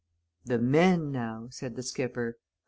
"The men, now!" said the skipper.